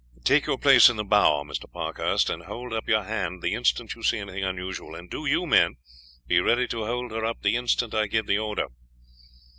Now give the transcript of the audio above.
"Take your place in the bow, Mr. Parkhurst, and hold up your hand the instant you see anything unusual, and do you, men, be ready to hold her up the instant I give the order."